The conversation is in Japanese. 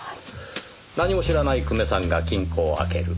何も知らない久米さんが金庫を開ける。